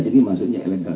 jadi maksudnya ilegal